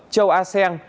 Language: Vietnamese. châu a seng